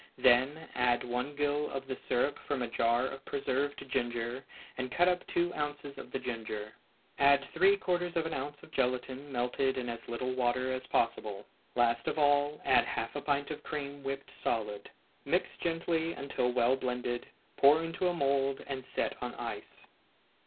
Then add one gill of the syrup from a jar of preserved ginger, and cut up two ounces of the ginger; add three quarters of an ounce of gelatine melted in as little water as possible. Last of all, add half a pint of cream whipped solid. Mix gently and till well blended; pour into a mould, and set on ice.